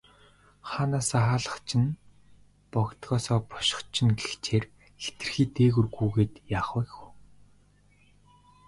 Хаанаасаа хаалгач нь, богдоосоо бошгоч нь гэгчээр хэтэрхий дээгүүр гүйгээд яах вэ хөө.